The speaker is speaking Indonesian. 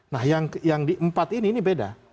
nah yang di empat ini ini beda